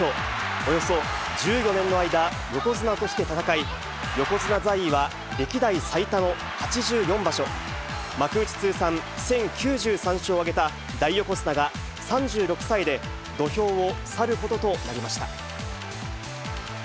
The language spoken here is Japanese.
およそ１４年の間、横綱として戦い、横綱在位は歴代最多の８４場所、幕内通算１０９３勝を挙げた大横綱が、３６歳で土俵を去ることとなりました。